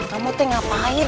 kamu tuh ngapain